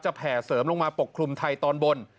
แผ่เสริมลงมาปกคลุมไทยตอนบน